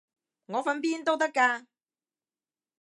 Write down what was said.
我瞓邊都得㗎